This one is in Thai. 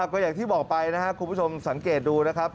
ก็อย่างที่บอกไปนะครับคุณผู้ชมสังเกตดูนะครับ